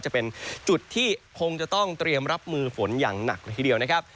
จะเป็นจุดที่คงจะต้องเตรียมรับมือฝนอย่างหนักเลยทีเดียวนะครับ